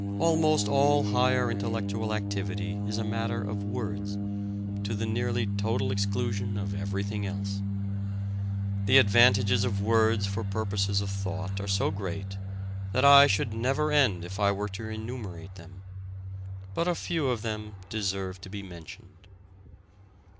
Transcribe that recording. Almost all higher intellectual activity is a matter of words, to the nearly total exclusion of everything else. The advantages of words for purposes of thought are so great that I should never end if I were to enumerate them. But a few of them deserve to be mentioned.